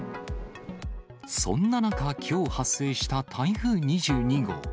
そんな中、きょう発生した台風２２号。